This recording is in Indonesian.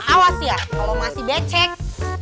awas ya kalau masih becek